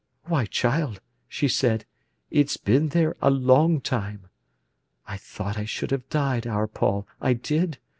'Why, child,' she said, 'it's been there a long time.' I thought I should have died, our Paul, I did.